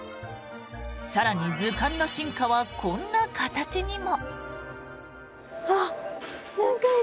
更に、図鑑の進化はこんな形にも。